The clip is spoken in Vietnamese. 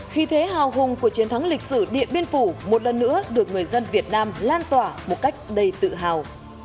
khi thế hào hùng của chiến thắng lịch sử điện biên phủ một lần nữa được người dân việt nam lan tỏa một cách đầy tự hào